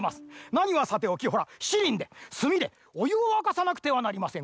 なにはさておきほらしちりんですみでおゆをわかさなくてはなりません。